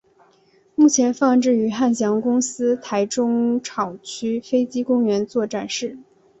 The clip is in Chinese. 目前放置于汉翔公司台中厂区飞机公园做展示。